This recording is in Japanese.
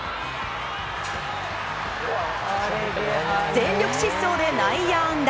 全力疾走で内野安打。